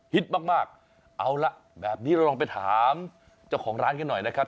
มากมากเอาล่ะแบบนี้เราลองไปถามเจ้าของร้านกันหน่อยนะครับ